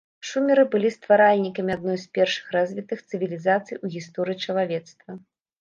Шумеры былі стваральнікамі адной з першых развітых цывілізацый у гісторыі чалавецтва.